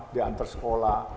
di antar sekolah